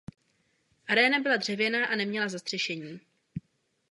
Aréna byla dřevěná a neměla zastřešení.